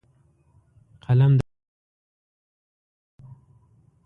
قلم د ښو افکارو تمثیلوي